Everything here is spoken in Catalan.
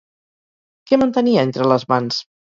Què mantenia entre les mans?